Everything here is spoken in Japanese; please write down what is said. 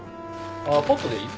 あっポットでいい？